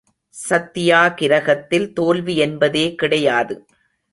சத்தியாக்கிரகத்தில் தோல்வி என்பதே கிடையாது.